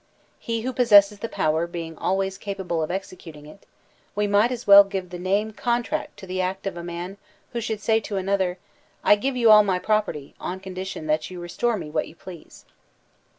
He who possesses the power being always capable of executing it, we might as well give the name contract to the act of a man who should say to another: •I give you all my proi)erty, on condition that you re store me what you please.